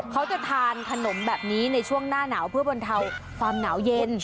เขาจะทานขนมแบบนี้ในช่วงหน้าหนาวเพื่อบรรเทาความหนาวเย็น